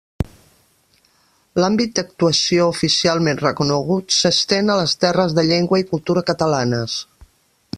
L'àmbit d'actuació oficialment reconegut s'estén a les terres de llengua i cultura catalanes.